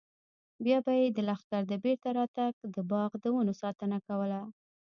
بیا به یې د لښکر تر بېرته راتګ د باغ د ونو ساتنه کوله.